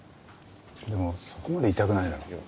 でもそこまで痛くないだろ。